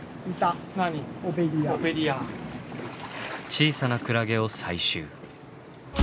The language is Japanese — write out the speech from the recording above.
小さなクラゲを採集。